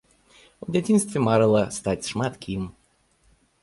У дзяцінстве марыла стаць шмат кім.